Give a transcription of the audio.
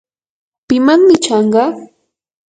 ¿pimanmi chanqa?